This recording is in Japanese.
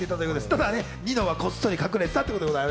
ただニノはこっそり隠れてた。